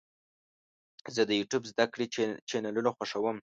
زه د یوټیوب زده کړې چینلونه خوښوم.